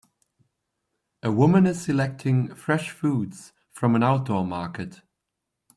A woman is selecting fresh foods from an outdoor market.